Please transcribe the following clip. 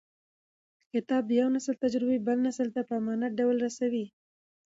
کتاب د یو نسل تجربې بل نسل ته په امانت ډول رسوي.